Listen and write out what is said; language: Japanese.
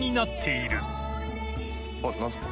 あっ何ですか？